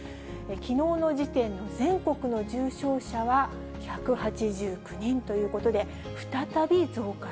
きのうの時点で全国の重症者は１８９人ということで、再び増加